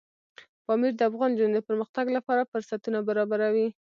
پامیر د افغان نجونو د پرمختګ لپاره فرصتونه برابروي.